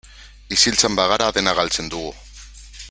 Isiltzen bagara dena galtzen dugu.